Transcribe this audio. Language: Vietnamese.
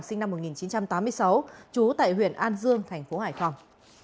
sinh năm một nghìn chín trăm tám mươi sáu chú tại huyện an dương tp hải phòng